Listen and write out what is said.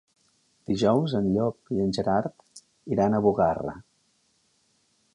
Dijous en Llop i en Gerard iran a Bugarra.